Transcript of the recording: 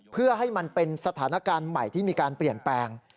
เพื่อให้มันเป็นสถานการณ์ใหม่ที่มีการเปลี่ยนแปลง